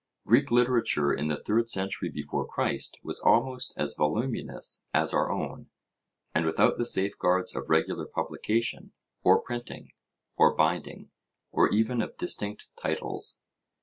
Greek literature in the third century before Christ was almost as voluminous as our own, and without the safeguards of regular publication, or printing, or binding, or even of distinct titles.